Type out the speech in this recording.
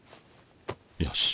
よし。